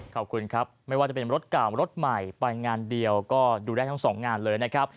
ขอบคุณครับไม่ว่าจะเป็นรถเก่ารถใหม่ไปงานเดียวก็ดูได้ทั้งสองงานเลยนะครับ